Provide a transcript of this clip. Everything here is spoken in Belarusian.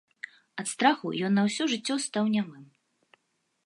Ад страху ён на ўсё жыццё стаў нямым.